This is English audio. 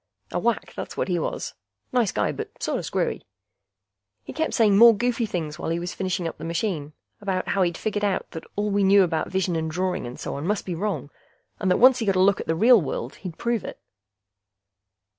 A wack, that's what he was. Nice guy, but sorta screwy. He kept saying more goofy things while he was finishing up the machine, about how he'd figured out that all we knew about vision and drawing and so on must be wrong, and that once he got a look at the real world he'd prove it.